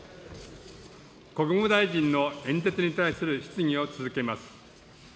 国務大臣の演説に対する質疑を続けます。